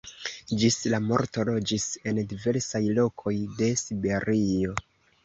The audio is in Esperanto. Ĝis la morto loĝis en diversaj lokoj de Siberio.